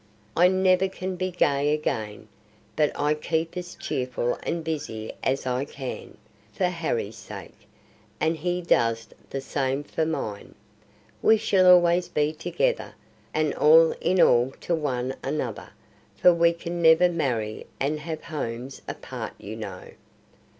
I never can be gay again, but I keep as cheerful and busy as I can, for Harry's sake, and he does the same for mine. We shall always be together, and all in all to one another, for we can never marry and have homes apart you know.